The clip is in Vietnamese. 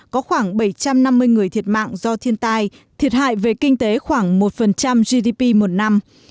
có khoảng bảy trăm năm mươi người thiệt mạng do thiên tai thiệt hại về kinh tế khoảng một gdp một năm